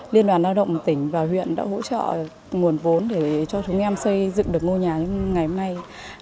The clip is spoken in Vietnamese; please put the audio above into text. liên đoàn lao động tỉnh và huyện đã hỗ trợ nguồn vốn để cho chúng em xây dựng được ngôi nhà như ngày hôm nay